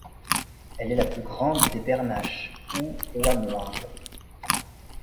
Elle est la plus grande des bernaches, ou oies noires.